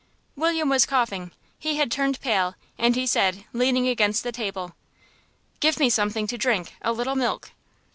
William was coughing. He had turned pale, and he said, leaning against the table, "Give me something to drink, a little milk."